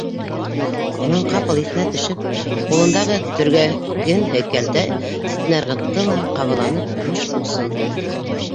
Унан, ҡапыл иҫенә төшөп, ҡулындағы төргәген һикәлтә ситенә ырғытты ла ҡабаланып ҡуш усын һуҙҙы: